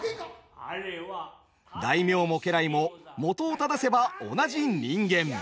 大名も家来も本を正せば同じ人間。